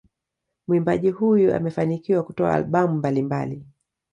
Muimbaji huyu amefanikiwa kutoa albamu mbalimbali